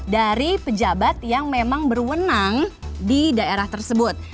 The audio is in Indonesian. dari pejabat yang memang berwenang di daerah tersebut